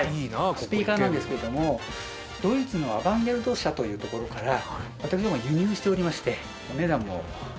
スピーカーなんですけれどもドイツのアバンギャルド社というところから私ども輸入しておりまして。